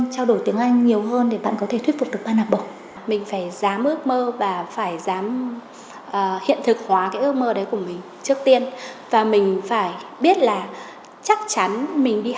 cháu được tin đi như thế này thì thấy tôi rất chảy là mừng